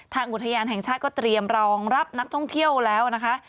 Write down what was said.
อุทยานแห่งชาติก็เตรียมรองรับนักท่องเที่ยวแล้วนะคะ